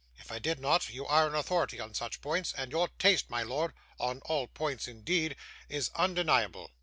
If I did not, you are an authority on such points, and your taste, my lord on all points, indeed is undeniable.